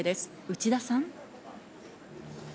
内田さん。